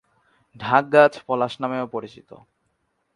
ঢাক গাছ পলাশ নামেও পরিচিত।